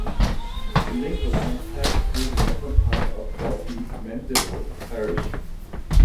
The link line passed through the northern part of Thorpe Mandeville parish.